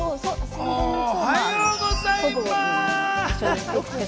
おはようございます。